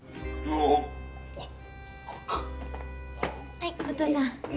はいお父さん。